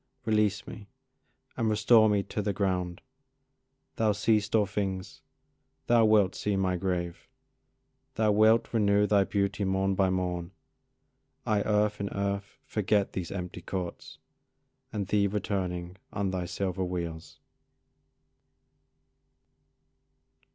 Release me, and restore me to the ground; Thou seest all things, thou wilt see my grave: Thou wilt renew thy beauty morn by morn; I earth in earth forget these empty courts, And thee returning on thy silver wheels.